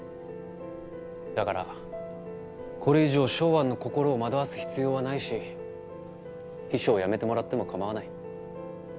だからこれ以上ショウアンの心を惑わす必要はないし秘書を辞めてもらっても構わない。